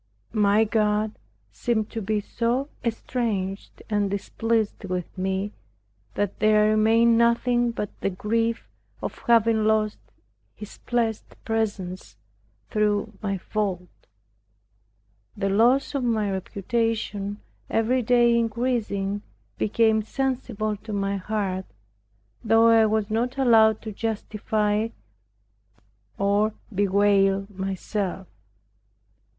My God seemed to be so estranged and displeased with me, that there remained nothing but the grief of having lost His blessed presence through my fault. The loss of my reputation every day increasing, became sensible to my heart, though I was not allowed to justify or bewail myself.